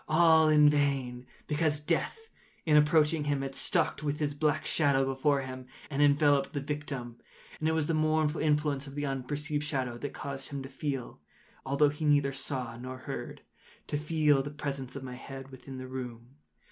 All in vain; because Death, in approaching him had stalked with his black shadow before him, and enveloped the victim. And it was the mournful influence of the unperceived shadow that caused him to feel—although he neither saw nor heard—to feel the presence of my head within the room.